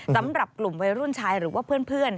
สำหรับกลุ่มวัยรุ่นชายหรือว่าเพื่อน